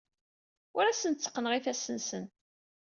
Ur asen-tteqqneɣ ifassen-nsen.